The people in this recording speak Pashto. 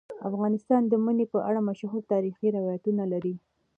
افغانستان د منی په اړه مشهور تاریخی روایتونه لري.